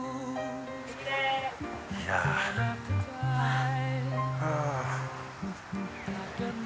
いやはあ